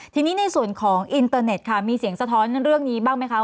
ทีนี้ในส่วนของอินเตอร์เน็ตค่ะมีเสียงสะท้อนเรื่องนี้บ้างไหมคะ